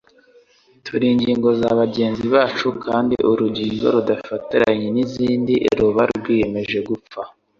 Turi ingingo za bagenzi bacu kandi urugingo rudafatariya n'izindi ruba rwiyemeje gupfa,